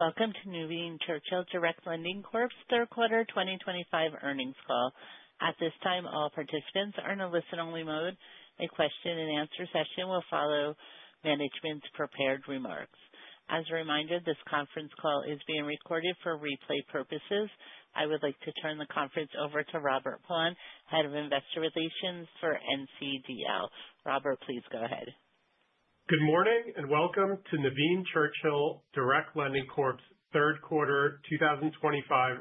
Welcome to Nuveen Churchill Direct Lending Corp.'s third quarter 2025 earnings call. At this time, all participants are in a listen-only mode. A question and answer session will follow management's prepared remarks. As a reminder, this conference call is being recorded for replay purposes. I would like to turn the conference over to Robert Paun, Head of Investor Relations for NCDL. Robert, please go ahead. Good morning and welcome to Nuveen Churchill Direct Lending Corp.'s third quarter 2025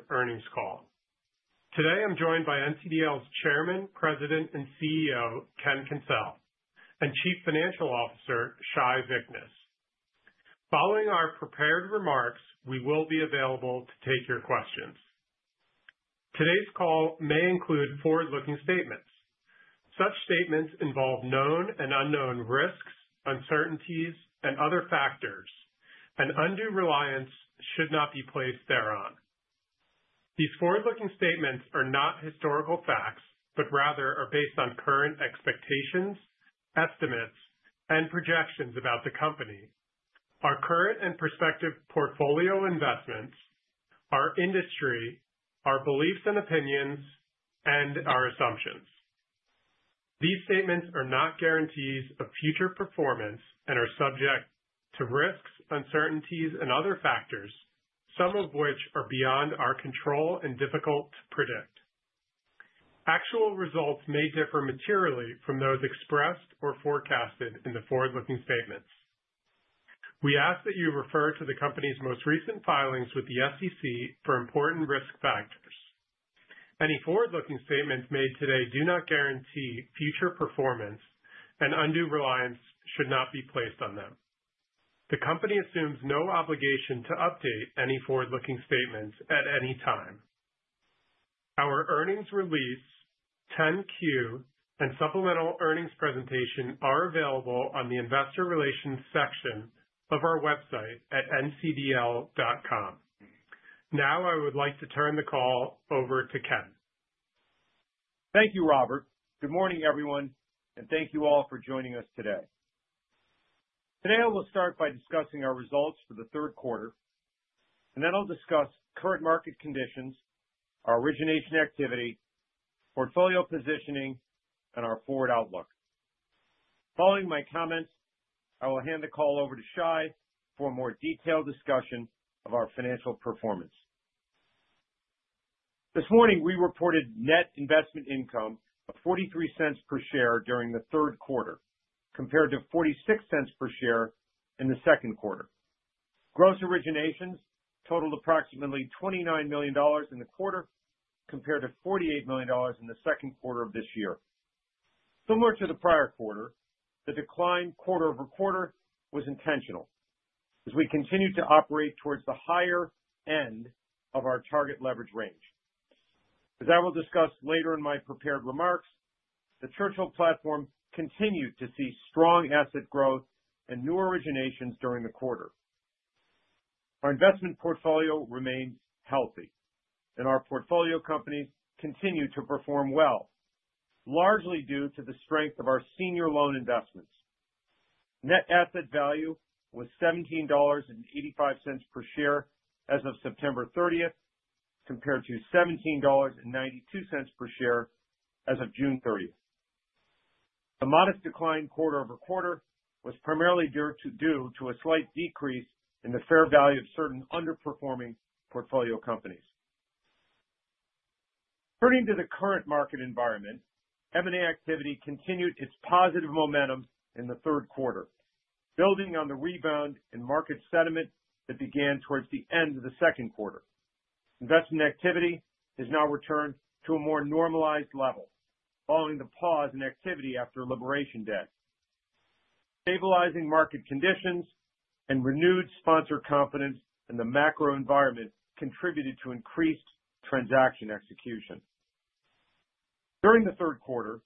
earnings call. Today, I'm joined by NCDL's Chairman, President, and CEO, Ken Kencel, and Chief Financial Officer, Shai Vichness. Following our prepared remarks, we will be available to take your questions. Today's call may include forward-looking statements. Such statements involve known and unknown risks, uncertainties, and other factors, and undue reliance should not be placed thereon. These forward-looking statements are not historical facts, but rather are based on current expectations, estimates, and projections about the company, our current and prospective portfolio investments, our industry, our beliefs and opinions, and our assumptions. These statements are not guarantees of future performance and are subject to risks, uncertainties, and other factors, some of which are beyond our control and difficult to predict. Actual results may differ materially from those expressed or forecasted in the forward-looking statements. We ask that you refer to the company's most recent filings with the SEC for important risk factors. Any forward-looking statements made today do not guarantee future performance, and undue reliance should not be placed on them. The company assumes no obligation to update any forward-looking statements at any time. Our earnings release, 10-Q, and supplemental earnings presentation are available on the investor relations section of our website at ncdl.com. Now, I would like to turn the call over to Ken. Thank you, Robert. Good morning, everyone, and thank you all for joining us today. I will start by discussing our results for the third quarter, then I'll discuss current market conditions, our origination activity, portfolio positioning, and our forward outlook. Following my comments, I will hand the call over to Shai for a more detailed discussion of our financial performance. This morning, we reported net investment income of $0.43 per share during the third quarter, compared to $0.46 per share in the second quarter. Gross originations totaled approximately $29 million in the quarter, compared to $48 million in the second quarter of this year. Similar to the prior quarter, the decline quarter-over-quarter was intentional as we continued to operate towards the higher end of our target leverage range. As I will discuss later in my prepared remarks, the Churchill platform continued to see strong asset growth and new originations during the quarter. Our investment portfolio remains healthy and our portfolio companies continue to perform well, largely due to the strength of our senior loan investments. Net asset value was $17.85 per share as of September 30th, compared to $17.92 per share as of June 30th. The modest decline quarter-over-quarter was primarily due to a slight decrease in the fair value of certain underperforming portfolio companies. Turning to the current market environment, M&A activity continued its positive momentum in the third quarter, building on the rebound in market sentiment that began towards the end of the second quarter. Investment activity has now returned to a more normalized level following the pause in activity after Labor Day. Stabilizing market conditions and renewed sponsor confidence in the macro environment contributed to increased transaction execution. During the third quarter,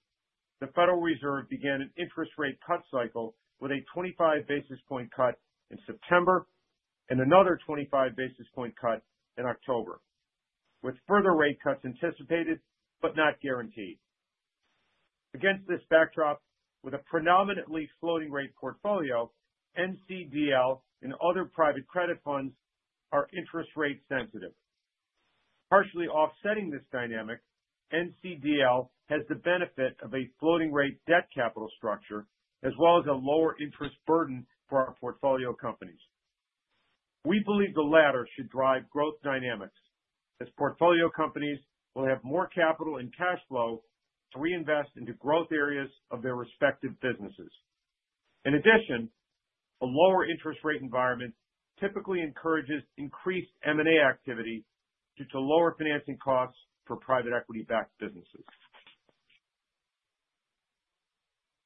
the Federal Reserve began an interest rate cut cycle with a 25 basis point cut in September and another 25 basis point cut in October, with further rate cuts anticipated but not guaranteed. Against this backdrop, with a predominantly floating rate portfolio, NCDL and other private credit funds are interest rate sensitive. Partially offsetting this dynamic, NCDL has the benefit of a floating rate debt capital structure as well as a lower interest burden for our portfolio companies. We believe the latter should drive growth dynamics as portfolio companies will have more capital and cash flow to reinvest into growth areas of their respective businesses. In addition, a lower interest rate environment typically encourages increased M&A activity due to lower financing costs for private equity backed businesses.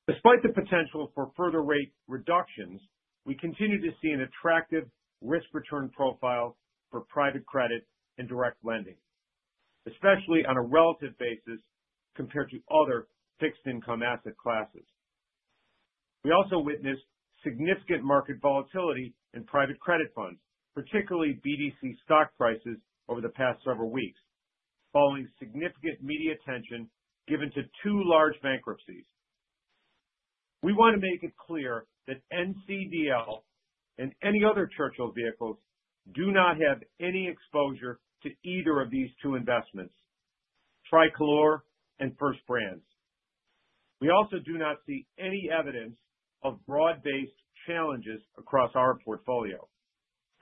Despite the potential for further rate reductions, we continue to see an attractive risk return profile for private credit and direct lending, especially on a relative basis compared to other fixed income asset classes. We also witnessed significant market volatility in private credit funds, particularly BDC stock prices over the past several weeks, following significant media attention given to two large bankruptcies. We want to make it clear that NCDL and any other Churchill vehicles do not have any exposure to either of these two investments, Tricolor and First Brands. We also do not see any evidence of broad-based challenges across our portfolio.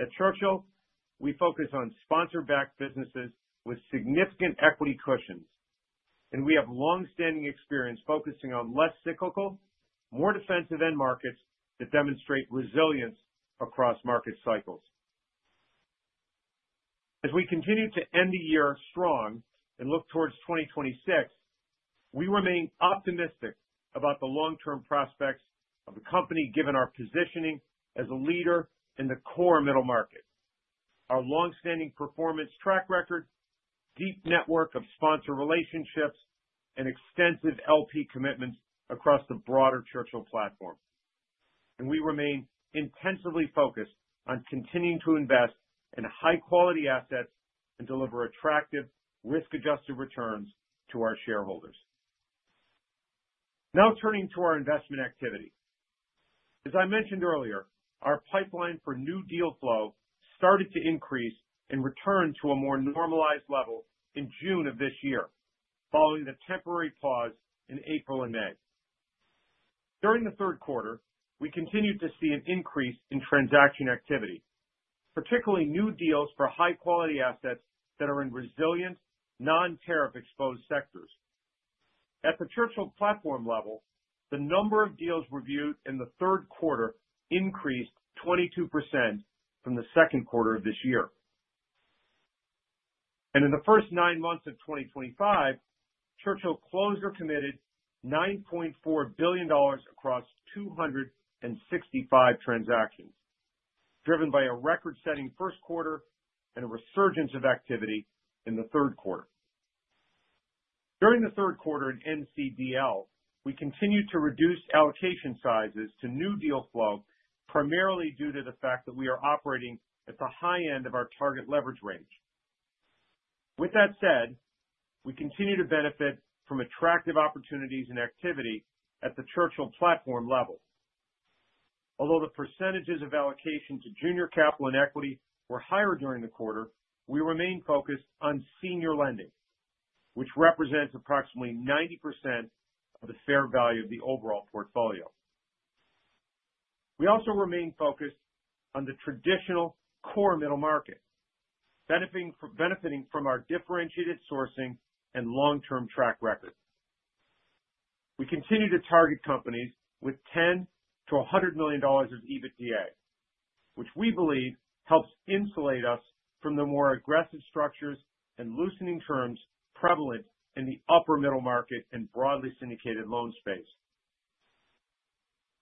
At Churchill, we focus on sponsor-backed businesses with significant equity cushions, and we have long-standing experience focusing on less cyclical, more defensive end markets that demonstrate resilience across market cycles. As we continue to end the year strong and look towards 2026, we remain optimistic about the long-term prospects of the company, given our positioning as a leader in the core middle market, our long-standing performance track record, deep network of sponsor relationships, and extensive LP commitments across the broader Churchill platform. We remain intensively focused on continuing to invest in high-quality assets and deliver attractive risk-adjusted returns to our shareholders. Now turning to our investment activity. As I mentioned earlier, our pipeline for new deal flow started to increase and return to a more normalized level in June of this year, following the temporary pause in April and May. During the third quarter, we continued to see an increase in transaction activity, particularly new deals for high-quality assets that are in resilient, non-tariff exposed sectors. At the Churchill platform level, the number of deals reviewed in the third quarter increased 22% from the second quarter of this year. In the first nine months of 2025, Churchill closed or committed $9.4 billion across 265 transactions, driven by a record-setting first quarter and a resurgence of activity in the third quarter. During the third quarter at NCDL, we continued to reduce allocation sizes to new deal flow, primarily due to the fact that we are operating at the high end of our target leverage range. With that said, we continue to benefit from attractive opportunities and activity at the Churchill platform level. Although the percentages of allocation to junior capital and equity were higher during the quarter, we remain focused on senior lending, which represents approximately 90% of the fair value of the overall portfolio. We also remain focused on the traditional core middle market, benefiting from our differentiated sourcing and long-term track record. We continue to target companies with $10 million-$100 million of EBITDA, which we believe helps insulate us from the more aggressive structures and loosening terms prevalent in the upper middle market and broadly syndicated loan space.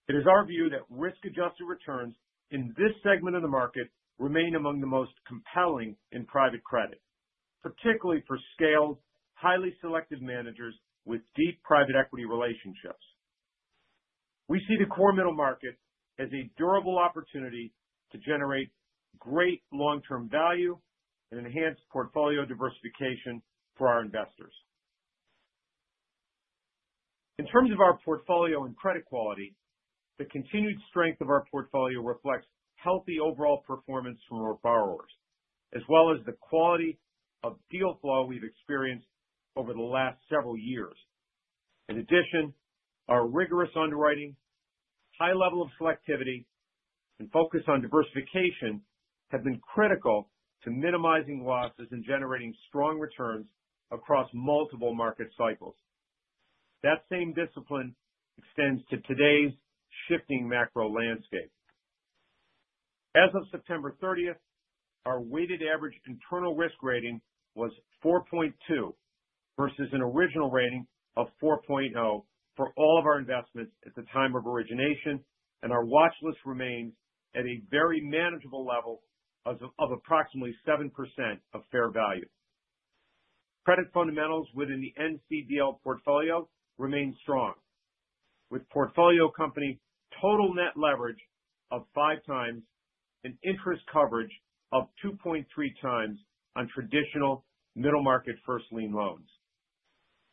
It is our view that risk-adjusted returns in this segment of the market remain among the most compelling in private credit, particularly for scaled, highly selective managers with deep private equity relationships. We see the core middle market as a durable opportunity to generate great long-term value and enhance portfolio diversification for our investors. In terms of our portfolio and credit quality, the continued strength of our portfolio reflects healthy overall performance from our borrowers, as well as the quality of deal flow we've experienced over the last several years. In addition, our rigorous underwriting, high level of selectivity, and focus on diversification have been critical to minimizing losses and generating strong returns across multiple market cycles. That same discipline extends to today's shifting macro landscape. As of September 30th, our weighted average internal risk rating was 4.2 versus an original rating of 4.0 for all of our investments at the time of origination, and our watch list remains at a very manageable level of approximately 7% of fair value. Credit fundamentals within the NCDL portfolio remain strong, with portfolio company total net leverage of 5x and interest coverage of 2.3x on traditional middle market first lien loans.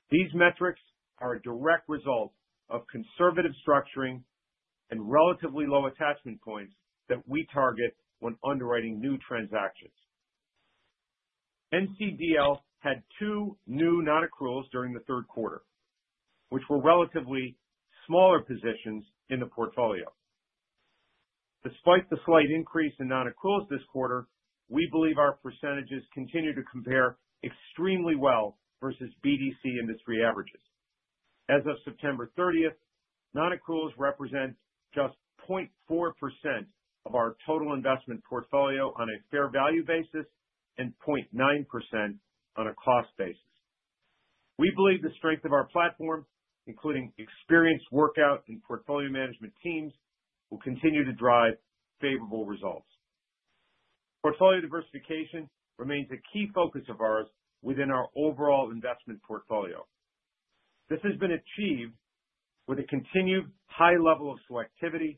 These metrics are a direct result of conservative structuring and relatively low attachment points that we target when underwriting new transactions. NCDL had two new non-accruals during the third quarter, which were relatively smaller positions in the portfolio. Despite the slight increase in non-accruals this quarter, we believe our percentages continue to compare extremely well versus BDC industry averages. As of September 30th, non-accruals represent just 0.4% of our total investment portfolio on a fair value basis and 0.9% on a cost basis. We believe the strength of our platform, including experienced workout and portfolio management teams, will continue to drive favorable results. Portfolio diversification remains a key focus of ours within our overall investment portfolio. This has been achieved with a continued high level of selectivity.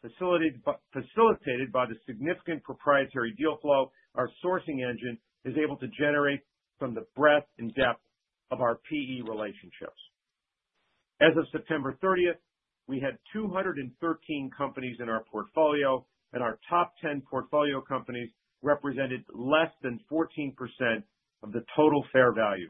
Facilitated by the significant proprietary deal flow our sourcing engine is able to generate from the breadth and depth of our PE relationships. As of September 30th, we had 213 companies in our portfolio, and our top 10 portfolio companies represented less than 14% of the total fair value.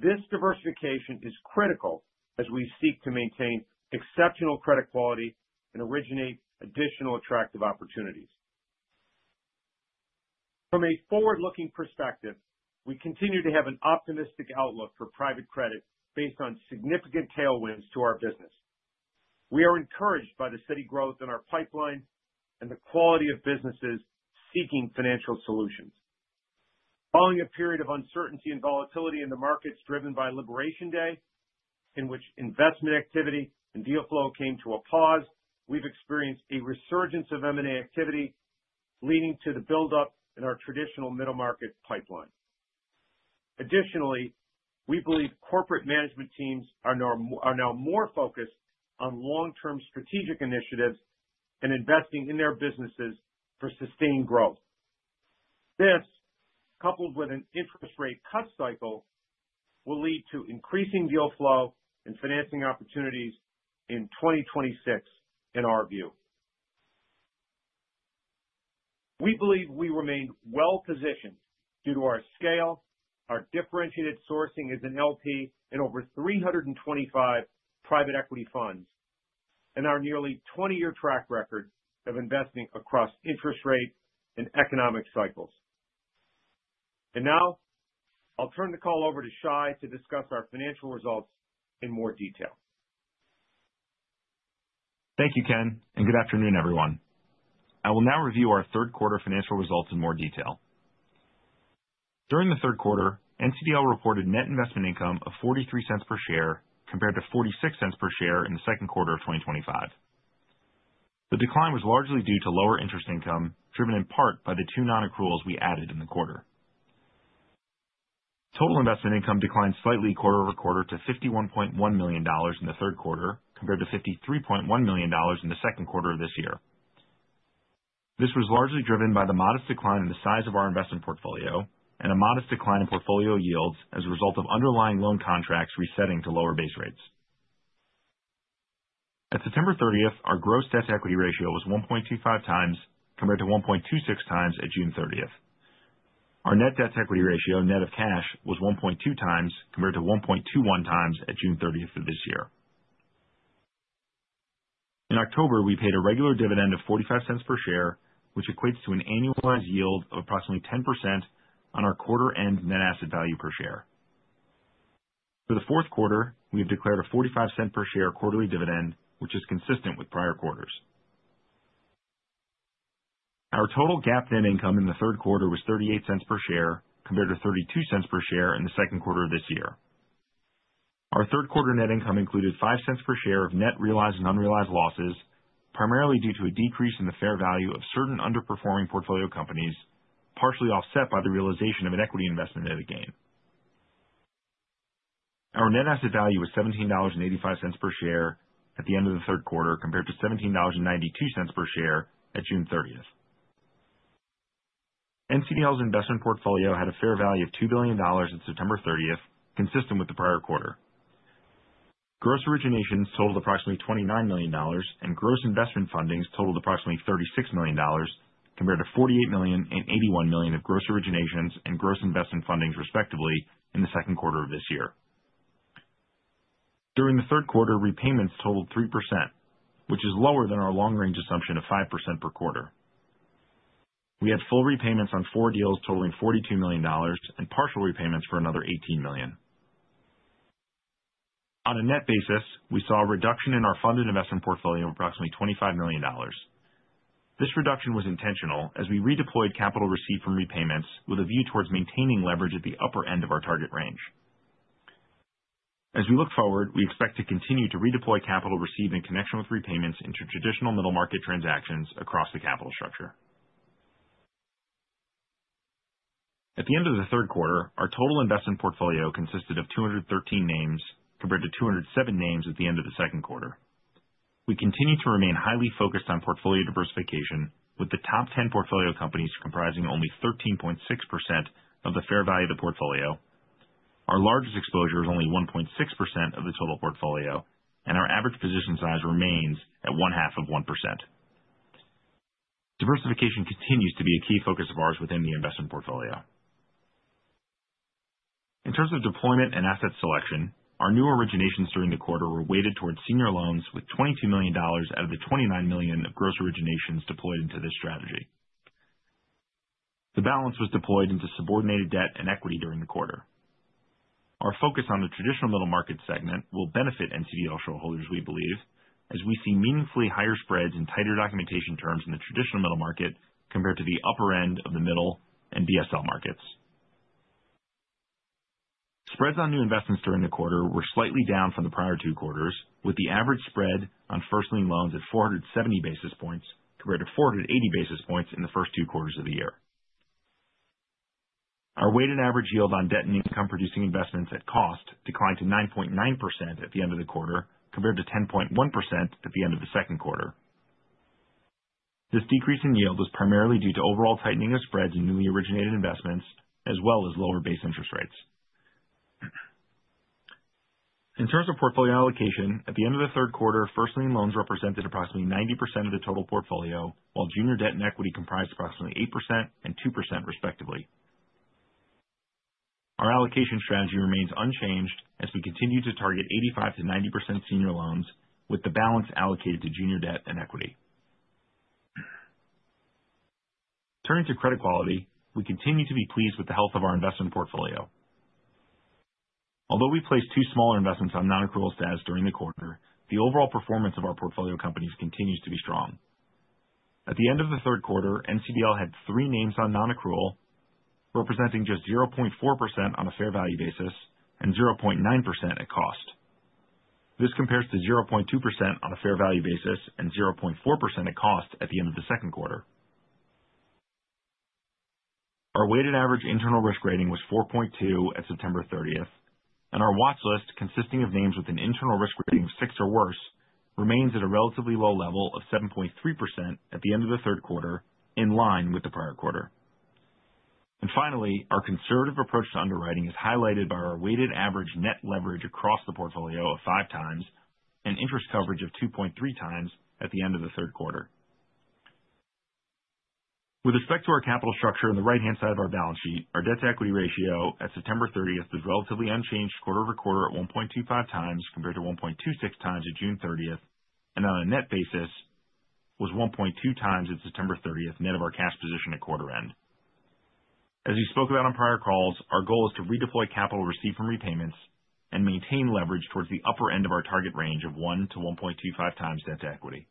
This diversification is critical as we seek to maintain exceptional credit quality and originate additional attractive opportunities. From a forward-looking perspective, we continue to have an optimistic outlook for private credit based on significant tailwinds to our business. We are encouraged by the steady growth in our pipeline and the quality of businesses seeking financial solutions. Following a period of uncertainty and volatility in the markets driven by Labor Day, in which investment activity and deal flow came to a pause, we've experienced a resurgence of M&A activity, leading to the buildup in our traditional middle market pipeline. Additionally, we believe corporate management teams are now more focused on long-term strategic initiatives and investing in their businesses for sustained growth. This, coupled with an interest rate cut cycle, will lead to increasing deal flow and financing opportunities in 2026, in our view. We believe we remain well positioned due to our scale, our differentiated sourcing as an LP in over 325 private equity funds, and our nearly 20-year track record of investing across interest rates and economic cycles. Now, I'll turn the call over to Shai to discuss our financial results in more detail. Thank you, Ken. Good afternoon, everyone. I will now review our third quarter financial results in more detail. During the third quarter, NCDL reported net investment income of $0.43 per share compared to $0.46 per share in the second quarter of 2025. The decline was largely due to lower interest income, driven in part by the two non-accruals we added in the quarter. Total investment income declined slightly quarter-over-quarter to $51.1 million in the third quarter, compared to $53.1 million in the second quarter of this year. This was largely driven by the modest decline in the size of our investment portfolio and a modest decline in portfolio yields as a result of underlying loan contracts resetting to lower base rates. At September 30th, our gross debt to equity ratio was 1.25x compared to 1.26x at June 30th. Our net debt to equity ratio net of cash was 1.2x compared to 1.21x at June 30th of this year. In October, we paid a regular dividend of $0.45 per share, which equates to an annualized yield of approximately 10% on our quarter end net asset value per share. For the fourth quarter, we have declared a $0.45 per share quarterly dividend, which is consistent with prior quarters. Our total GAAP net income in the third quarter was $0.38 per share compared to $0.32 per share in the second quarter of this year. Our third quarter net income included $0.05 per share of net realized and unrealized losses, primarily due to a decrease in the fair value of certain underperforming portfolio companies, partially offset by the realization of an equity investment at a gain. Our net asset value was $17.85 per share at the end of the third quarter, compared to $17.92 per share at June 30th. NCDL's investment portfolio had a fair value of $2 billion at September 30th, consistent with the prior quarter. Gross originations totaled approximately $29 million, and gross investment fundings totaled approximately $36 million compared to $48 million and $81 million of gross originations and gross investment fundings, respectively, in the second quarter of this year. During the third quarter, repayments totaled 3%, which is lower than our long-range assumption of 5% per quarter. We had full repayments on four deals totaling $42 million and partial repayments for another $18 million. On a net basis, we saw a reduction in our funded investment portfolio of approximately $25 million. This reduction was intentional as we redeployed capital received from repayments with a view towards maintaining leverage at the upper end of our target range. As we look forward, we expect to continue to redeploy capital received in connection with repayments into traditional middle market transactions across the capital structure. At the end of the third quarter, our total investment portfolio consisted of 213 names, compared to 207 names at the end of the second quarter. We continue to remain highly focused on portfolio diversification, with the top 10 portfolio companies comprising only 13.6% of the fair value of the portfolio. Our largest exposure is only 1.6% of the total portfolio, and our average position size remains at 0.5%. Diversification continues to be a key focus of ours within the investment portfolio. In terms of deployment and asset selection, our new originations during the quarter were weighted towards senior loans with $22 million out of the $29 million of gross originations deployed into this strategy. The balance was deployed into subordinated debt and equity during the quarter. Our focus on the traditional middle market segment will benefit NCDL shareholders we believe, as we see meaningfully higher spreads and tighter documentation terms in the traditional middle market compared to the upper end of the middle and BSL markets. Spreads on new investments during the quarter were slightly down from the prior two quarters, with the average spread on first lien loans at 470 basis points compared to 480 basis points in the first two quarters of the year. Our weighted average yield on debt and income producing investments at cost declined to 9.9% at the end of the quarter, compared to 10.1% at the end of the second quarter. This decrease in yield was primarily due to overall tightening of spreads in newly originated investments, as well as lower base interest rates. In terms of portfolio allocation, at the end of the third quarter, first lien loans represented approximately 90% of the total portfolio, while junior debt and equity comprised approximately 8% and 2% respectively. Our allocation strategy remains unchanged as we continue to target 85%-90% senior loans with the balance allocated to junior debt and equity. Turning to credit quality, we continue to be pleased with the health of our investment portfolio. Although we placed two smaller investments on non-accrual status during the quarter, the overall performance of our portfolio companies continues to be strong. At the end of the third quarter, NCDL had three names on non-accrual, representing just 0.4% on a fair value basis and 0.9% at cost. This compares to 0.2% on a fair value basis and 0.4% at cost at the end of the second quarter. Our weighted average internal risk rating was 4.2 at September 30th, and our watch list, consisting of names with an internal risk rating of six or worse, remains at a relatively low level of 7.3% at the end of the third quarter, in line with the prior quarter. Finally, our conservative approach to underwriting is highlighted by our weighted average net leverage across the portfolio of 5x and interest coverage of 2.3x at the end of the third quarter. With respect to our capital structure on the right-hand side of our balance sheet, our debt-to-equity ratio at September 30th is relatively unchanged quarter-over-quarter at 1.25x compared to 1.26x at June 30th, and on a net basis was 1.2x at September 30th, net of our cash position at quarter end. As we spoke about on prior calls, our goal is to redeploy capital received from repayments and maintain leverage towards the upper end of our target range of 1x to 1.25x debt to equity.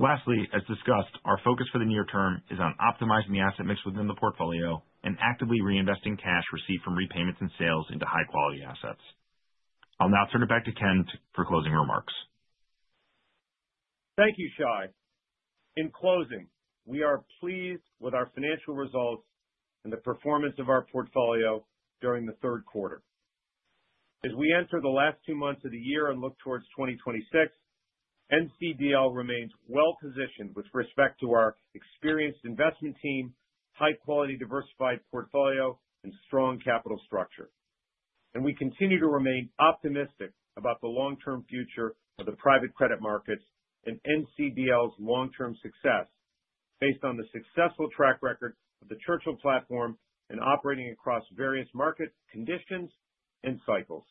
Lastly, as discussed, our focus for the near term is on optimizing the asset mix within the portfolio and actively reinvesting cash received from repayments and sales into high quality assets. I'll now turn it back to Ken for closing remarks. Thank you, Shai. In closing, we are pleased with our financial results and the performance of our portfolio during the third quarter. As we enter the last two months of the year and look towards 2026, NCDL remains well positioned with respect to our experienced investment team, high quality diversified portfolio and strong capital structure. We continue to remain optimistic about the long-term future of the private credit markets and NCDL's long-term success based on the successful track record of the Churchill platform in operating across various market conditions and cycles.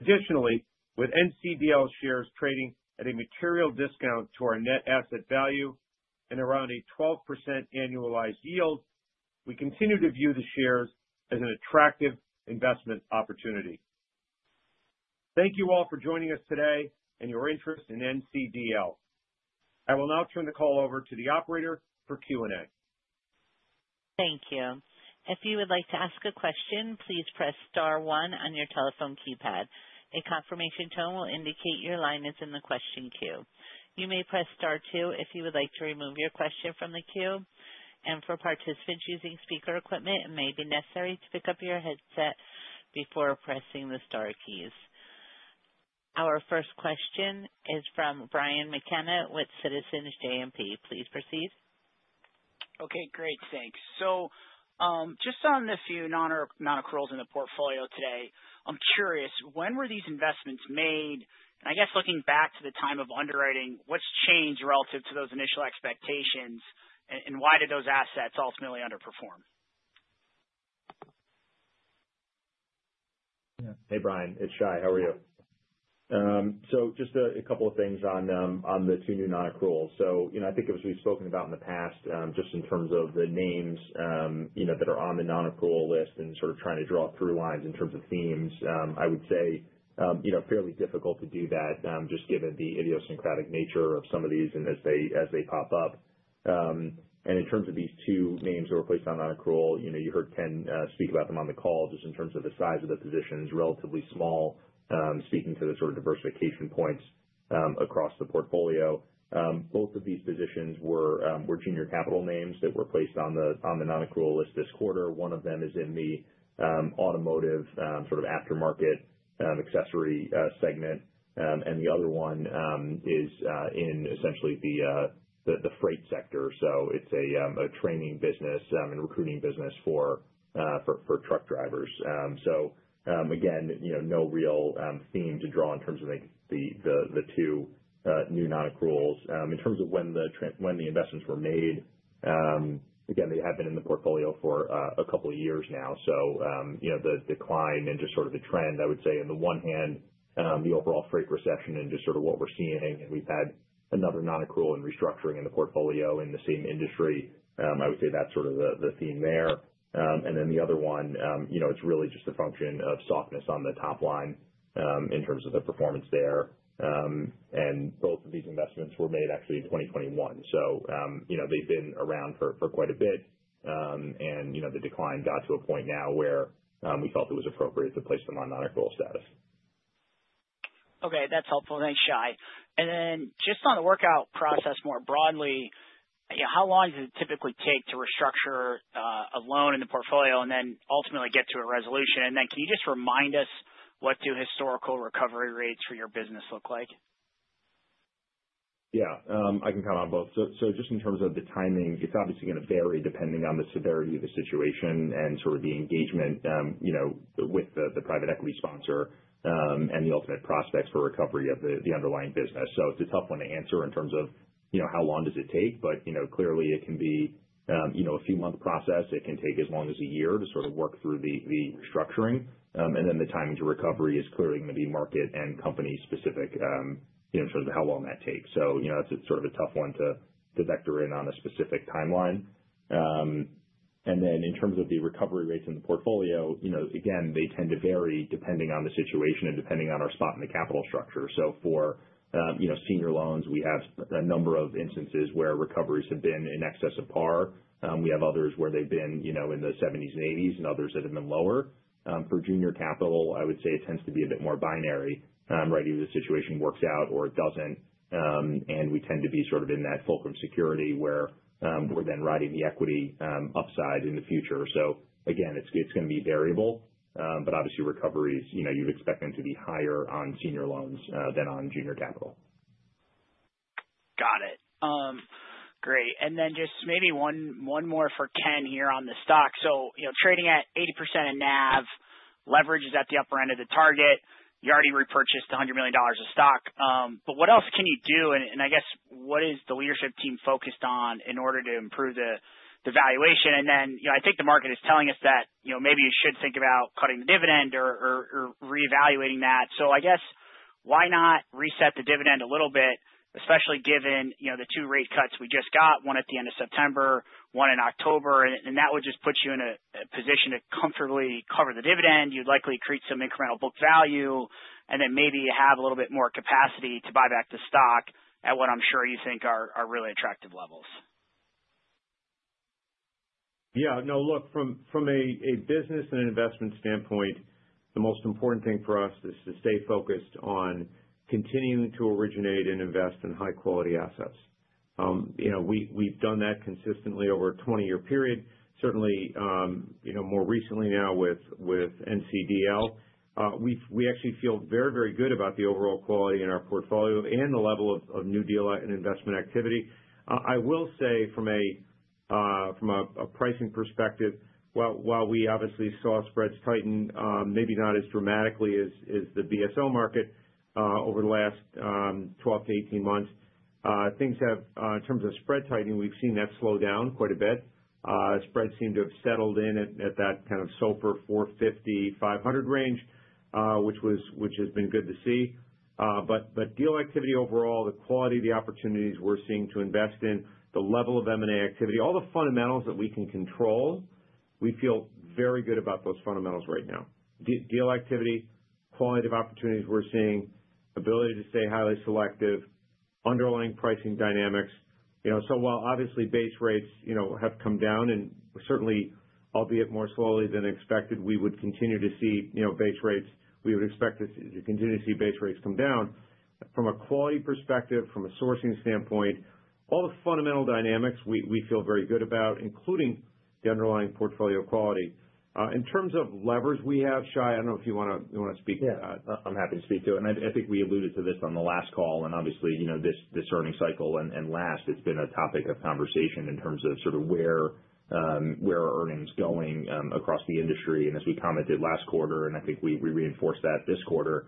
Additionally, with NCDL shares trading at a material discount to our net asset value and around a 12% annualized yield, we continue to view the shares as an attractive investment opportunity. Thank you all for joining us today and your interest in NCDL. I will now turn the call over to the operator for Q&A. Our first question is from Brian McKenna with Citizens JMP. Please proceed. Okay, great. Thanks. Just on a few non-accruals in the portfolio today, I'm curious, when were these investments made? I guess looking back to the time of underwriting, what's changed relative to those initial expectations and why did those assets ultimately underperform? Hey, Brian, it's Shai. How are you? Just a couple of things on the two new non-accruals. You know, I think as we've spoken about in the past, just in terms of the names, you know, that are on the non-accrual list and sort of trying to draw through lines in terms of themes, I would say, you know, fairly difficult to do that, just given the idiosyncratic nature of some of these and as they pop up. In terms of these two names that were placed on non-accrual, you know, you heard Ken speak about them on the call, just in terms of the size of the positions, relatively small, speaking to the sort of diversification points across the portfolio. Both of these positions were junior capital names that were placed on the non-accrual list this quarter. One of them is in the automotive sort of aftermarket accessory segment. The other one is in essentially the freight sector. It's a training business and recruiting business for truck drivers. Again, you know, no real theme to draw in terms of the two new non-accruals. In terms of when the investments were made, again, they have been in the portfolio for a couple of years now, you know, the decline and just sort of the trend, I would say on the one hand, the overall freight recession and just sort of what we're seeing, and we've had another non-accrual and restructuring in the portfolio in the same industry. I would say that's sort of the theme there. The other one, you know, it's really just a function of softness on the top line, in terms of the performance there. Both of these investments were made actually in 2021. You know, they've been around for quite a bit. You know, the decline got to a point now where we felt it was appropriate to place them on non-accrual status. Okay. That's helpful. Thanks, Shai. Just on the workout process more broadly, you know, how long does it typically take to restructure a loan in the portfolio and then ultimately get to a resolution? Can you just remind us what do historical recovery rates for your business look like? Yeah. I can comment on both. Just in terms of the timing, it's obviously gonna vary depending on the severity of the situation and sort of the engagement, you know, with the private equity sponsor, and the ultimate prospects for recovery of the underlying business. It's a tough one to answer in terms of, you know, how long does it take, but, you know, clearly it can be, you know, a few-month process. It can take as long as 1 year to sort of work through the restructuring. Then the timing to recovery is clearly gonna be market and company specific, you know, in terms of how long that takes. You know, it's a sort of a tough one to vector in on a specific timeline. In terms of the recovery rates in the portfolio, you know, again, they tend to vary depending on the situation and depending on our spot in the capital structure. For, you know, senior loans, we have a number of instances where recoveries have been in excess of par. We have others where they've been, you know, in the 70s and 80s and others that have been lower. For junior capital, I would say it tends to be a bit more binary. Right, either the situation works out or it doesn't. We tend to be sort of in that fulcrum security where we're then riding the equity upside in the future. Again, it's gonna be variable. Obviously recoveries, you know, you'd expect them to be higher on senior loans than on junior capital. Got it. Great. Just maybe one more for Ken here on the stock. You know, trading at 80% of NAV, leverage is at the upper end of the target. You already repurchased $100 million of stock. What else can you do? I guess what is the leadership team focused on in order to improve the valuation? You know, I think the market is telling us that, you know, maybe you should think about cutting the dividend or reevaluating that. I guess why not reset the dividend a little bit, especially given, you know, the two rate cuts we just got, one at the end of September, one in October, and that would just put you in a position to comfortably cover the dividend. You'd likely create some incremental book value, and then maybe you have a little bit more capacity to buy back the stock at what I'm sure you think are really attractive levels. No, look, from a business and an investment standpoint, the most important thing for us is to stay focused on continuing to originate and invest in high quality assets. You know, we've done that consistently over a 20-year period. Certainly, you know, more recently now with NCDL. We actually feel very good about the overall quality in our portfolio and the level of new deal and investment activity. I will say from a pricing perspective, while we obviously saw spreads tighten, maybe not as dramatically as the BSL market, over the last 12-18 months, things have, in terms of spread tightening, we've seen that slow down quite a bit. Spreads seem to have settled in at that kind of SOFR 450, 500 range, which has been good to see. Deal activity overall, the quality of the opportunities we're seeing to invest in, the level of M&A activity, all the fundamentals that we can control, we feel very good about those fundamentals right now. Deal activity, quality of opportunities we're seeing, ability to stay highly selective, underlying pricing dynamics. While obviously base rates have come down and certainly albeit more slowly than expected, we would continue to see base rates. We would expect to continue to see base rates come down. From a quality perspective, from a sourcing standpoint, all the fundamental dynamics we feel very good about, including the underlying portfolio quality. In terms of levers we have, Shai, I don't know if you wanna speak to that? Yeah. I'm happy to speak to it. I think we alluded to this on the last call and obviously, you know, this earning cycle and last, it's been a topic of conversation in terms of sort of where are earnings going across the industry. As we commented last quarter, and I think we reinforced that this quarter,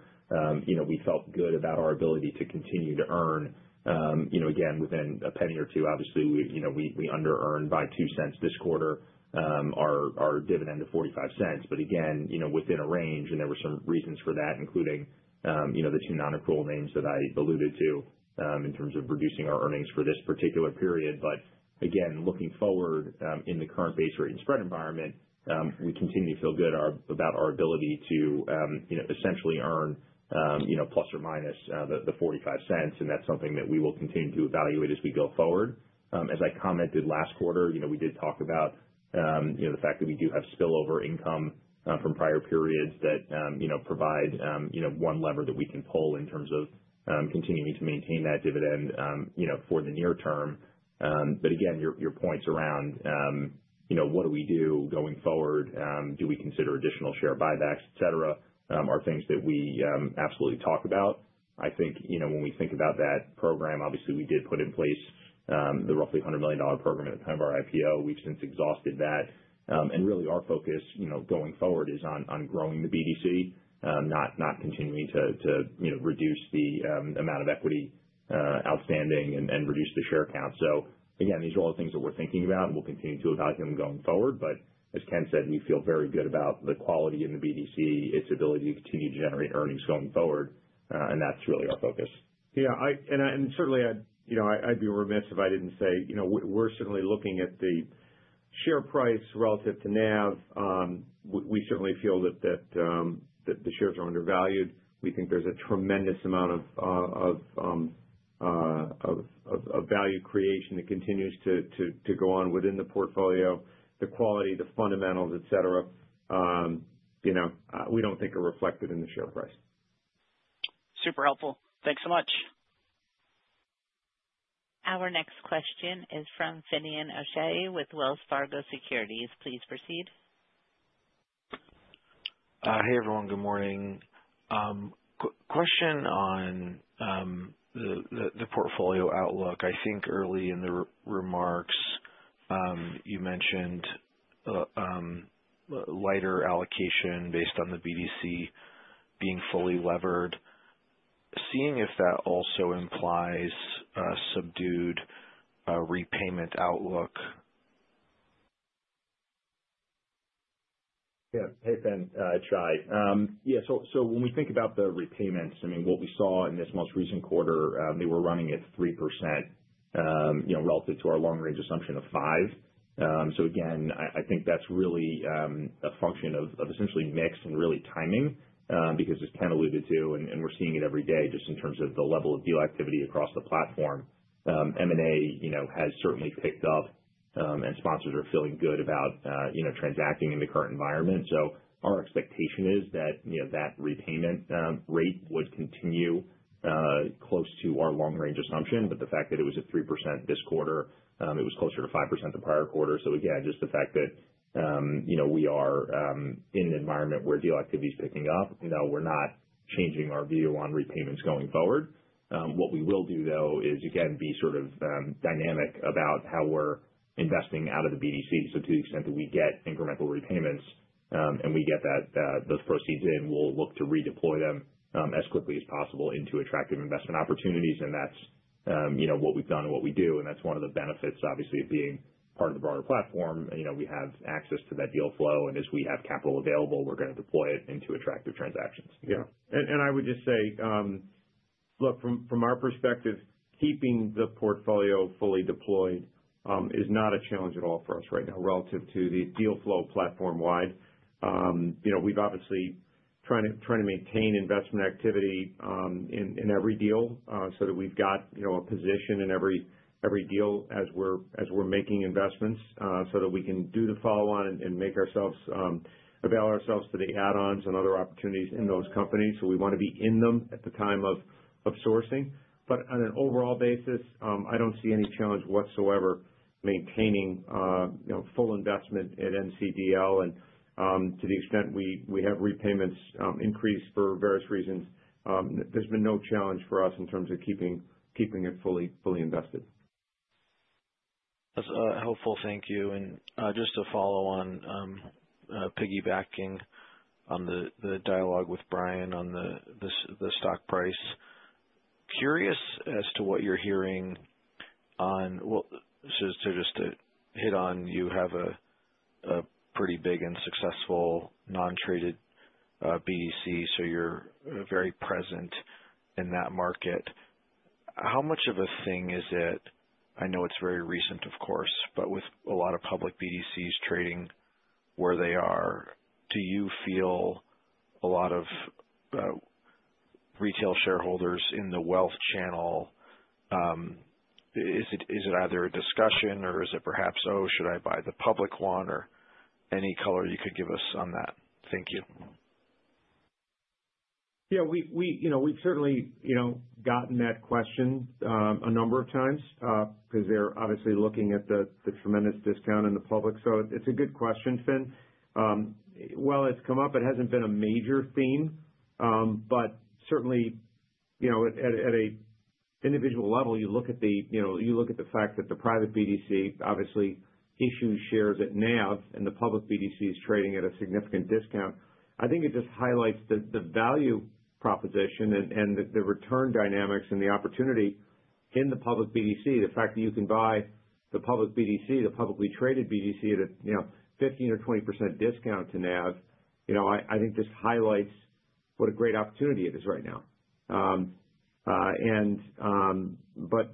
you know, we felt good about our ability to continue to earn, you know, again, within $0.01 or $0.02. Obviously, we, you know, we under-earned by $0.02 this quarter, our dividend to $0.45. Again, you know, within a range and there were some reasons for that, including, you know, the two non-accrual names that I alluded to in terms of reducing our earnings for this particular period. Again, looking forward, in the current base rate and spread environment, we continue to feel good about our ability to, you know, essentially earn, you know, ±$0.45. That's something that we will continue to evaluate as we go forward. As I commented last quarter, you know, we did talk about, you know, the fact that we do have spillover income from prior periods that, you know, provide, you know, one lever that we can pull in terms of continuing to maintain that dividend, you know, for the near term. Again, your points around, you know, what do we do going forward, do we consider additional share buybacks, et cetera, are things that we absolutely talk about. I think, you know, when we think about that program, obviously we did put in place, the roughly $100 million program at the time of our IPO. We've since exhausted that. Really our focus, you know, going forward is on growing the BDC, not continuing to, you know, reduce the amount of equity outstanding and reduce the share count. Again, these are all the things that we're thinking about, and we'll continue to evaluate them going forward. As Ken said, we feel very good about the quality in the BDC, its ability to continue to generate earnings going forward. That's really our focus. And certainly I'd be remiss if I didn't say, we're certainly looking at the share price relative to NAV. We certainly feel that the shares are undervalued. We think there's a tremendous amount of value creation that continues to go on within the portfolio. The quality, the fundamentals, et cetera, we don't think are reflected in the share price. Super helpful. Thanks so much. Our next question is from Finian O'Shea with Wells Fargo Securities. Please proceed. Hey, everyone. Good morning. Question on the portfolio outlook. I think early in the remarks, you mentioned lighter allocation based on the BDC being fully levered. Seeing if that also implies a subdued repayment outlook. Hey, Finn, it's Shai. When we think about the repayments, I mean, what we saw in this most recent quarter, they were running at 3%, you know, relative to our long range assumption of 5%. Again, I think that's really a function of essentially mix and really timing, because as Ken alluded to, and we're seeing it every day just in terms of the level of deal activity across the platform, M&A, you know, has certainly picked up, and sponsors are feeling good about, you know, transacting in the current environment. Our expectation is that, you know, that repayment rate would continue close to our long range assumption. The fact that it was at 3% this quarter, it was closer to 5% the prior quarter. Again, just the fact that, you know, we are in an environment where deal activity is picking up, you know, we're not changing our view on repayments going forward. What we will do though is again be sort of dynamic about how we're investing out of the BDC. To the extent that we get incremental repayments, and we get that those proceeds in, we'll look to redeploy them as quickly as possible into attractive investment opportunities. That's, you know, what we've done and what we do, and that's one of the benefits, obviously, of being part of the broader platform. You know, we have access to that deal flow, and as we have capital available, we're gonna deploy it into attractive transactions. Yeah. I would just say, look, from our perspective, keeping the portfolio fully deployed is not a challenge at all for us right now relative to the deal flow platform-wide. You know, we've obviously trying to maintain investment activity in every deal, so that we've got, you know, a position in every deal as we're making investments, so that we can do the follow-on and make ourselves avail ourselves to the add-ons and other opportunities in those companies. We wanna be in them at the time of sourcing. On an overall basis, I don't see any challenge whatsoever maintaining, you know, full investment at NCDL. To the extent we have repayments, increase for various reasons, there's been no challenge for us in terms of keeping it fully invested. That's helpful. Thank you. Just to follow on, piggybacking on the stock price. Curious as to what you're hearing on just to hit on, you have a pretty big and successful non-traded BDC, so you're very present in that market. How much of a thing is it, I know it's very recent of course, but with a lot of public BDCs trading where they are, do you feel a lot of retail shareholders in the wealth channel, is it either a discussion or is it perhaps, "Oh, should I buy the public one?" Any color you could give us on that. Thank you. Yeah, we, you know, we've certainly, you know, gotten that question a number of times 'cause they're obviously looking at the tremendous discount in the public. It's a good question, Finn. While it's come up, it hasn't been a major theme. Certainly, you know, at a individual level, you look at the, you know, you look at the fact that the private BDC obviously issues shares at NAV and the public BDC is trading at a significant discount. I think it just highlights the value proposition and the return dynamics and the opportunity in the public BDC. The fact that you can buy the public BDC, the publicly traded BDC at a, you know, 15% or 20% discount to NAV, you know, I think just highlights what a great opportunity it is right now.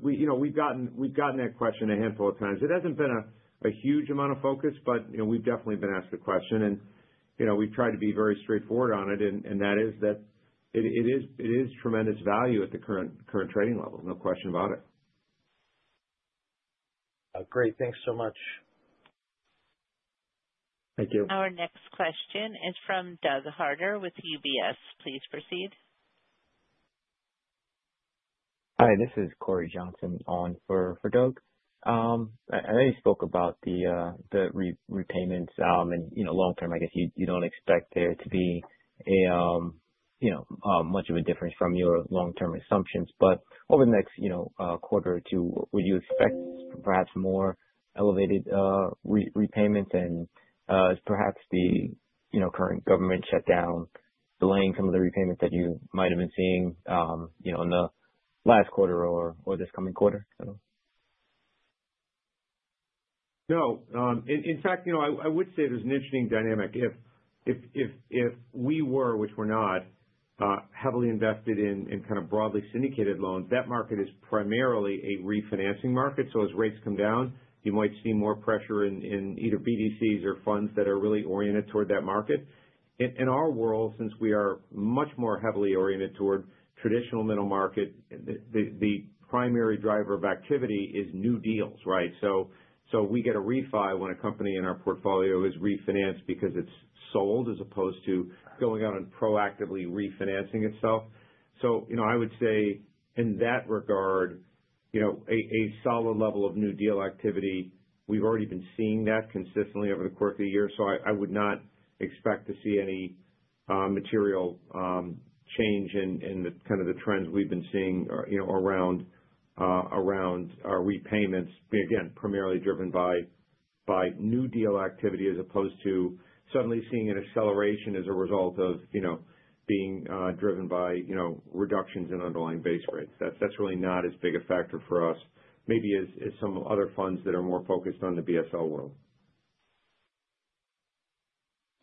We, you know, we've gotten that question a handful of times. It hasn't been a huge amount of focus, but you know, we've definitely been asked the question and, you know, we try to be very straightforward on it. That is that it is tremendous value at the current trading level. No question about it. Great. Thanks so much. Thank you. Our next question is from Douglas Harter with UBS. Please proceed. Hi, this is Corey Johnson on for Doug. I know you spoke about the repayments, and, you know, long term, I guess you don't expect there to be a, you know, much of a difference from your long-term assumptions. Over the next, you know, quarter or two, would you expect perhaps more elevated repayments? Is perhaps the, you know, current government shutdown delaying some of the repayments that you might have been seeing, you know, in the last quarter or this coming quarter? I don't know. In fact, you know, I would say there's an interesting dynamic. If we were, which we're not, heavily invested in kind of broadly syndicated loans. That market is primarily a refinancing market. As rates come down, you might see more pressure in either BDCs or funds that are really oriented toward that market. In our world, since we are much more heavily oriented toward traditional middle market, the primary driver of activity is new deals, right? So we get a refi when a company in our portfolio is refinanced because it's sold as opposed to going out and proactively refinancing itself. You know, I would say in that regard, you know, a solid level of new deal activity. We've already been seeing that consistently over the course of the year. I would not expect to see any material change in the kind of the trends we've been seeing, you know, around our repayments. Again, primarily driven by new deal activity as opposed to suddenly seeing an acceleration as a result of, you know, being driven by, you know, reductions in underlying base rates. That's really not as big a factor for us maybe as some other funds that are more focused on the BSL world.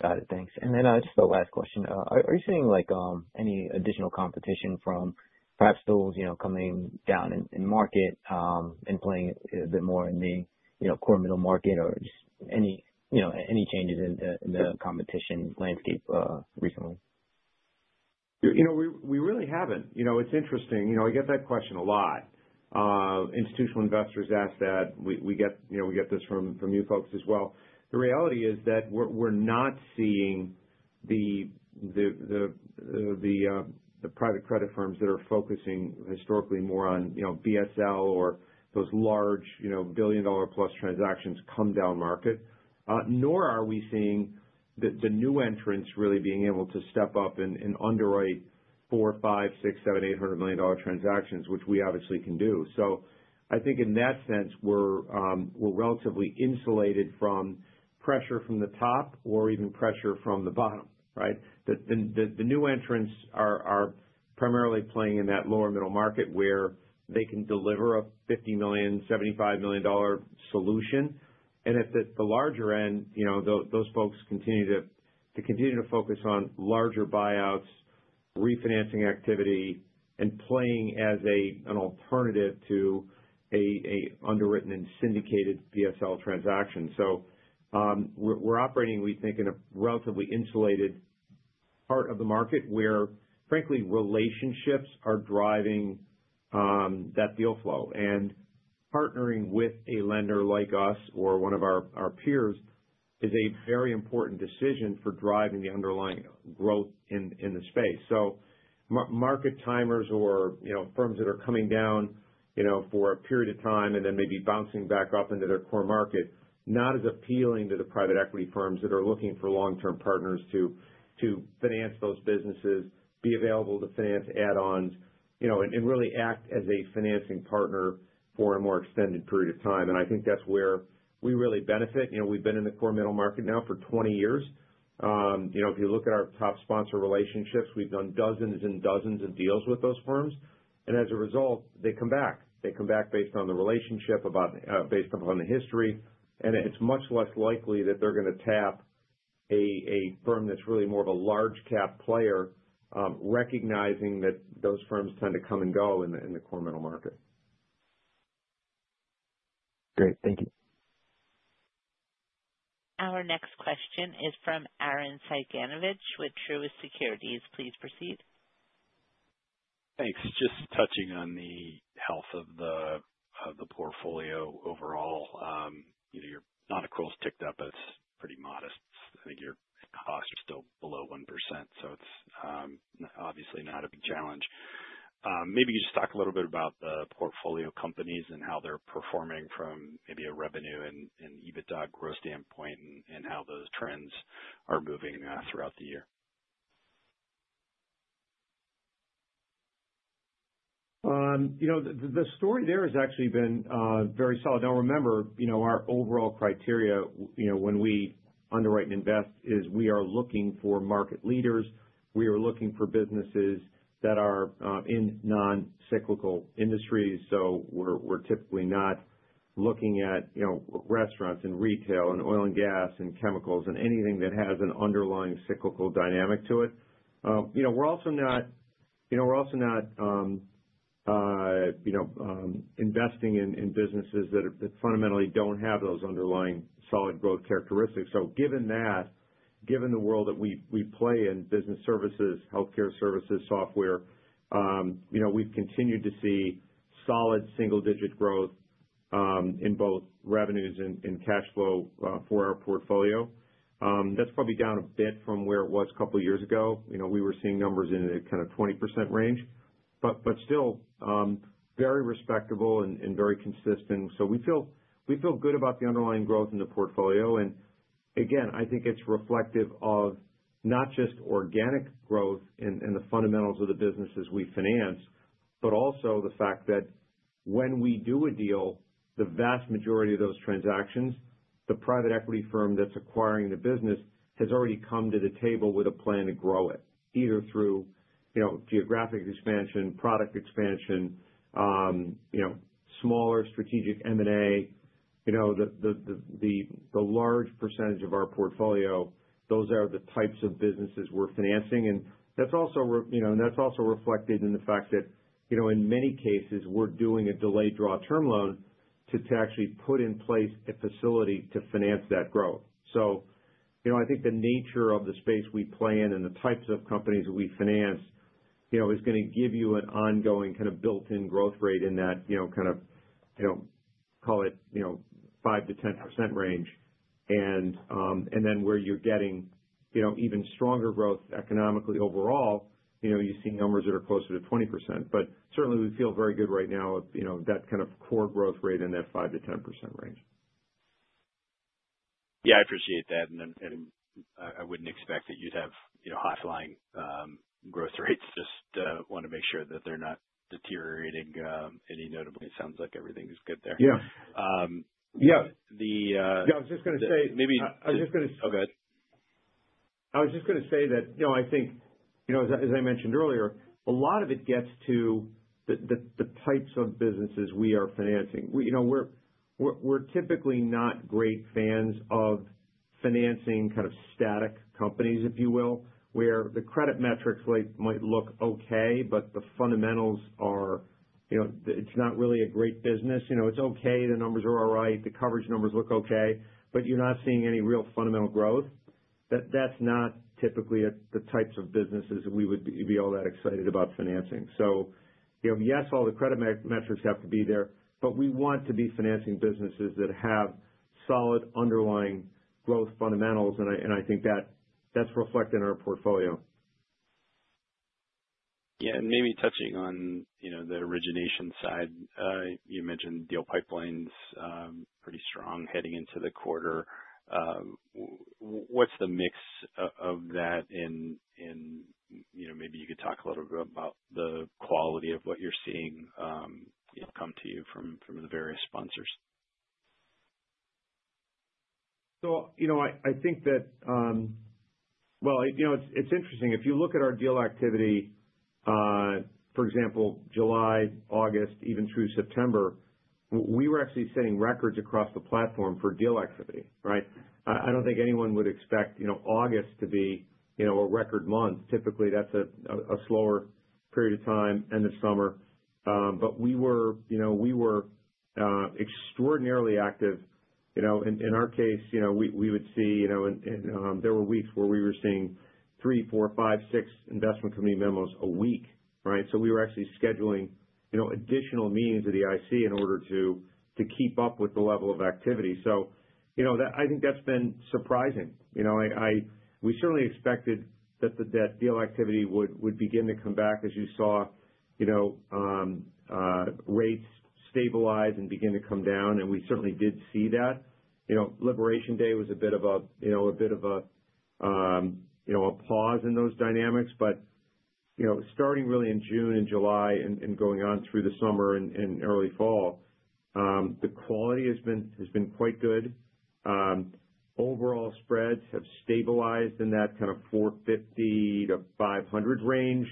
Got it. Thanks. Then, just the last question. Are you seeing like any additional competition from private lenders, you know, coming down in market and playing a bit more in the, you know, core middle market or just any, you know, any changes in the competition landscape recently? You know, we really haven't. You know, it's interesting. You know, I get that question a lot. Institutional investors ask that. We get, you know, we get this from you folks as well. The reality is that we're not seeing the private credit firms that are focusing historically more on, you know, BSL or those large, you know, $1+ billion transactions come down market. Nor are we seeing the new entrants really being able to step up and underwrite $400 million, $500 million, $600 million, $700 million, $800 million transactions, which we obviously can do. I think in that sense, we're relatively insulated from pressure from the top or even pressure from the bottom, right? The new entrants are primarily playing in that lower middle market where they can deliver a $50 million, $75 million solution. And at the larger end, you know, those folks continue to focus on larger buyouts, refinancing activity, and playing as an alternative to an underwritten and syndicated BSL transaction. We're operating, we think, in a relatively insulated part of the market where frankly, relationships are driving that deal flow. And partnering with a lender like us or one of our peers is a very important decision for driving the underlying growth in the space. Middle market timers or, you know, firms that are coming down, you know, for a period of time and then maybe bouncing back up into their core market, not as appealing to the private equity firms that are looking for long-term partners to finance those businesses, be available to finance add-ons, you know, and really act as a financing partner for a more extended period of time. I think that's where we really benefit. You know, we've been in the core middle market now for 20 years. You know, if you look at our top sponsor relationships, we've done dozens and dozens of deals with those firms. As a result, they come back. They come back based on the relationship, based upon the history. It's much less likely that they're gonna tap a firm that's really more of a large cap player, recognizing that those firms tend to come and go in the core middle market. Great. Thank you. Our next question is from Arren Cyganovich with Truist Securities. Please proceed. Thanks. Just touching on the health of the, of the portfolio overall. You know, your non-accruals ticked up. It's pretty modest. I think your costs are still below 1%, so it's obviously not a big challenge. Maybe just talk a little bit about the portfolio companies and how they're performing from maybe a revenue and EBITDA growth standpoint and how those trends are moving throughout the year. You know, the story there has actually been very solid. Remember, you know, our overall criteria, you know, when we underwrite and invest is we are looking for market leaders. We are looking for businesses that are in non-cyclical industries. We're typically not looking at, you know, restaurants and retail and oil and gas and chemicals and anything that has an underlying cyclical dynamic to it. You know, we're also not investing in businesses that fundamentally don't have those underlying solid growth characteristics. Given that, given the world that we play in, business services, healthcare services, software, you know, we've continued to see solid single-digit growth in both revenues and cash flow for our portfolio. That's probably down a bit from where it was a couple of years ago. You know, we were seeing numbers in the kind of 20% range. But still, very respectable and very consistent. We feel good about the underlying growth in the portfolio. Again, I think it's reflective of not just organic growth in the fundamentals of the businesses we finance, but also the fact that when we do a deal, the vast majority of those transactions, the private equity firm that's acquiring the business has already come to the table with a plan to grow it. Either through, you know, geographic expansion, product expansion, you know, smaller strategic M&A. You know, the large percentage of our portfolio, those are the types of businesses we're financing. That's also, you know, and that's also reflected in the fact that, you know, in many cases, we're doing a delayed draw term loan to actually put in place a facility to finance that growth. You know, I think the nature of the space we play in and the types of companies we finance, you know, is gonna give you an ongoing kind of built-in growth rate in that, you know, kind of, you know, call it, you know, 5%-10% range. Where you're getting, you know, even stronger growth economically overall, you know, you're seeing numbers that are closer to 20%. Certainly we feel very good right now of, you know, that kind of core growth rate in that 5%-10% range. Yeah, I appreciate that. I wouldn't expect that you'd have, you know, high-flying growth rates. Just wanna make sure that they're not deteriorating any notably. It sounds like everything's good there. Yeah. Um, the, uh- Yeah, I was just gonna say- Maybe- I was just gonna- Oh, go ahead. I was just gonna say that, you know, I think, you know, as I mentioned earlier, a lot of it gets to the types of businesses we are financing. We, you know, we're typically not great fans of financing kind of static companies, if you will, where the credit metrics like might look okay, but the fundamentals are, you know, it's not really a great business. You know, it's all right. The numbers are all right. The coverage numbers look okay. You're not seeing any real fundamental growth. That's not typically the types of businesses that we would be all that excited about financing. You know, yes, all the credit metrics have to be there, but we want to be financing businesses that have solid underlying growth fundamentals. I think that's reflected in our portfolio. Yeah. Maybe touching on, you know, the origination side. You mentioned deal pipelines, pretty strong heading into the quarter. What's the mix of that in You know, maybe you could talk a little bit about the quality of what you're seeing, you know, come to you from the various sponsors. You know, I think that, well, you know, it's interesting. If you look at our deal activity, for example, July, August, even through September, we were actually setting records across the platform for deal activity, right? I don't think anyone would expect, you know, August to be, you know, a record month. Typically, that's a slower period of time, end of summer. We were, you know, extraordinarily active. You know, in our case, you know, we would see, you know, there were weeks where we were seeing three, four, five, six Investment Committee memos a week, right? We were actually scheduling, you know, additional meetings of the IC in order to keep up with the level of activity. You know, I think that's been surprising. You know, We certainly expected that deal activity would begin to come back as you saw, you know, rates stabilize and begin to come down. We certainly did see that. You know, Labor Day was a bit of a, you know, a pause in those dynamics. You know, starting really in June and July and going on through the summer and early fall, the quality has been quite good. Overall spreads have stabilized in that kind of 450-500 range.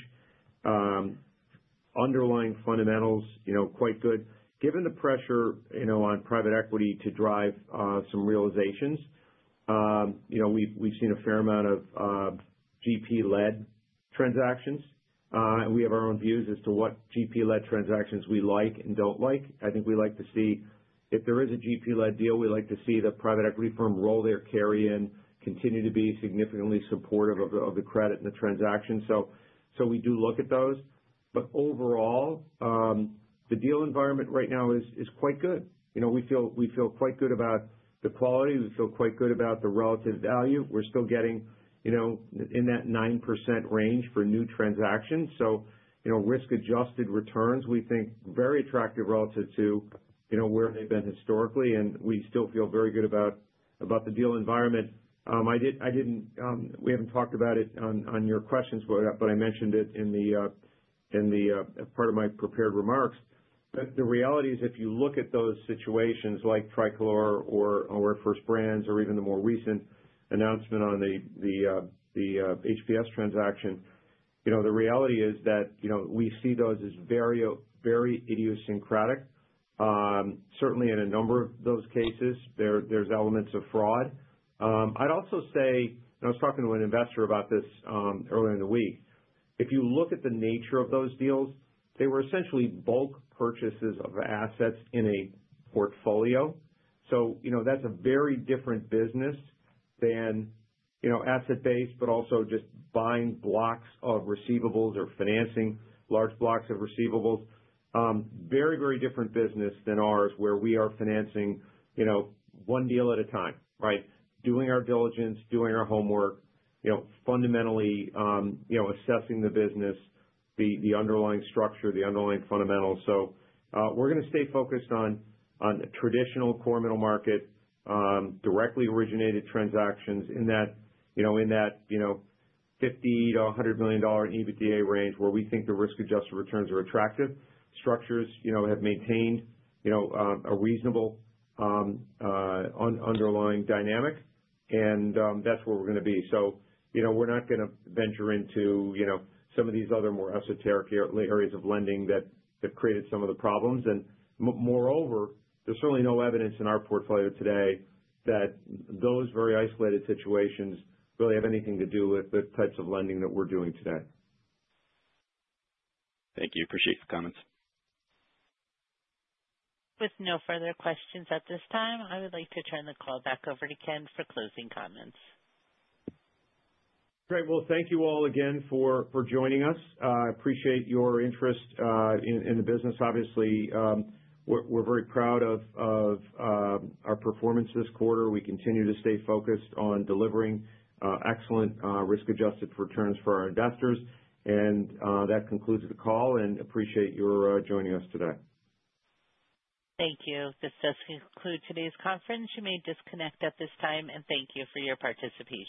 Underlying fundamentals, you know, quite good. Given the pressure, you know, on private equity to drive some realizations, you know, we've seen a fair amount of GP-led transactions. We have our own views as to what GP-led transactions we like and don't like. I think we like to see if there is a GP-led deal. We like to see the private equity firm roll their carry in, continue to be significantly supportive of the credit and the transaction. We do look at those. Overall, the deal environment right now is quite good. You know, we feel quite good about the quality. We feel quite good about the relative value. We're still getting, you know, in that 9% range for new transactions. You know, risk-adjusted returns we think very attractive relative to, you know, where they've been historically. We still feel very good about the deal environment. I didn't, we haven't talked about it on your questions, but I mentioned it in the part of my prepared remarks. The reality is, if you look at those situations like Tricolor or First Brands or even the more recent announcement on the HPS transaction, you know, the reality is that, you know, we see those as very idiosyncratic. Certainly in a number of those cases, there's elements of fraud. I'd also say, and I was talking to an investor about this earlier in the week. If you look at the nature of those deals, they were essentially bulk purchases of assets in a portfolio. You know, that's a very different business than, you know, asset-based, but also just buying blocks of receivables or financing large blocks of receivables. Very, very different business than ours, where we are financing, you know, one deal at a time, right? Doing our diligence, doing our homework, you know, fundamentally, you know, assessing the business, the underlying structure, the underlying fundamentals. We're gonna stay focused on traditional core middle market, directly originated transactions in that, you know, in that, you know, $50 million-$100 million EBITDA range where we think the risk-adjusted returns are attractive. Structures, you know, have maintained, you know, a reasonable underlying dynamic. That's where we're gonna be. You know, we're not gonna venture into, you know, some of these other more esoteric areas of lending that have created some of the problems. Moreover, there's certainly no evidence in our portfolio today that those very isolated situations really have anything to do with the types of lending that we're doing today. Thank you. Appreciate the comments. With no further questions at this time, I would like to turn the call back over to Ken for closing comments. Great. Well, thank you all again for joining us. I appreciate your interest in the business. Obviously, we're very proud of our performance this quarter. We continue to stay focused on delivering excellent risk-adjusted returns for our investors. That concludes the call, and appreciate your joining us today. Thank you. This does conclude today's conference. You may disconnect at this time, and thank you for your participation.